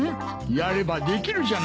やればできるじゃないか。